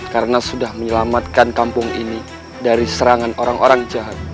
karena sudah menyelamatkan kampung ini dari serangan orang orang jahat